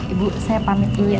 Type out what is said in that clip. ibu saya pamit dulu ya